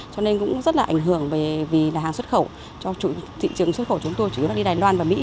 cho nên cũng rất là ảnh hưởng vì hàng xuất khẩu cho thị trường xuất khẩu chúng tôi chủ yếu đi đài loan và mỹ